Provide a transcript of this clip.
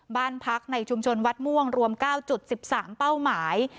บ้านพักในชุมชนวัดม่วงรวม๙๑๓เป้าหมาย